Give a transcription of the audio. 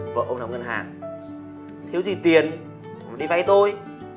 vợ ông nằm ngân hàng thiếu gì tiền cũng đi vay tôi